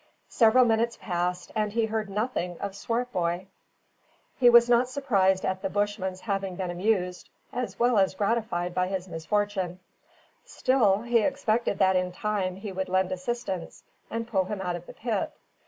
Several minutes passed and he heard nothing of Swartboy. He was not surprised at the Bushman's having been amused as well as gratified by his misfortune. Still, he expected that in time he would lend assistance and pull him out of the pit.